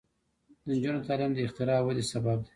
د نجونو تعلیم د اختراع ودې سبب دی.